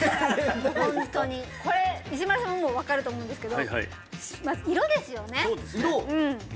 ホントにこれ石丸さんはもう分かると思うんですけどまず色ですよね